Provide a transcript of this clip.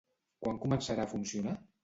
Quan començarà a funcionar?